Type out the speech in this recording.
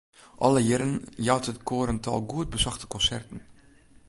Alle jierren jout it koar in tal goed besochte konserten.